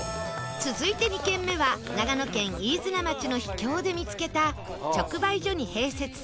続いて２軒目は長野県飯綱町の秘境で見つけた